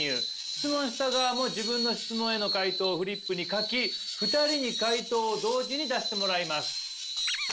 質問した側も自分の質問への回答をフリップに書き２人に回答を同時に出してもらいます。